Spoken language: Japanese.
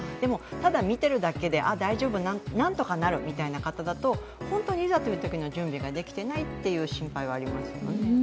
ただ見てるだけで、大丈夫なんとかなるっていう方だと本当にいざというときの準備ができていないという心配はありますよね。